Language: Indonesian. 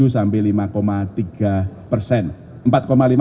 empat tujuh sampai lima tiga